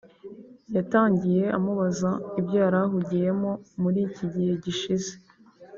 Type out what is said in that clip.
yatangiye amubaza ibyo yari ahugiyemo muri iki gihe gishize